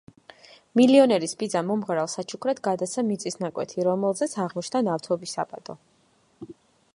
მილიონერის ბიძამ მომღერალს საჩუქრად გადასცა მიწის ნაკვეთი, რომელზეც აღმოჩნდა ნავთობის საბადო.